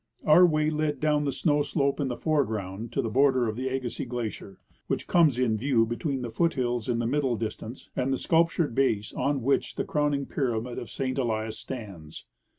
Our way led down the snow slope in the foreground to the border of the Agassiz glacier, which comes in view between the foot hills in the middle distance and the sculptured base on which the crowning pyramid of St. Elias stands.